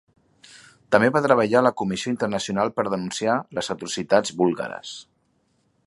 També va treballar a la Comissió Internacional per denunciar les atrocitats búlgares.